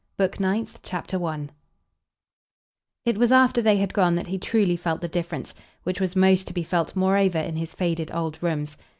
Book Ninth, Chapter 1 It was after they had gone that he truly felt the difference, which was most to be felt moreover in his faded old rooms.